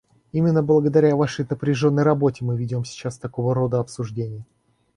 Именно благодаря Вашей напряженной работе мы ведем сейчас такого рода обсуждение.